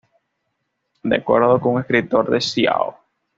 De acuerdo con un escritor de Ciao!